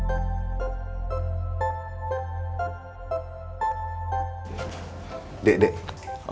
sampai jumpa di video selanjutnya